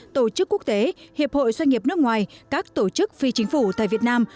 tổ chức quốc tế hiệp hội doanh nghiệp nước ngoài các tổ chức phi chính phủ tại việt nam